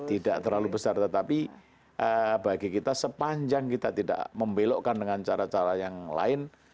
tidak terlalu besar tetapi bagi kita sepanjang kita tidak membelokkan dengan cara cara yang lain